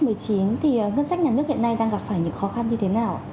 ngân sách nhà nước hiện nay đang gặp phải những khó khăn như thế nào